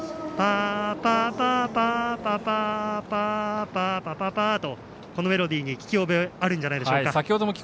パーパーパパーとこのメロディーに聞き覚えがあるんじゃないでしょうか。